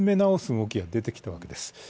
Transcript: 動きが出てきたんです。